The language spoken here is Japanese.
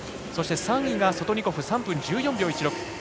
３位がソトニコフ３分１４秒１６。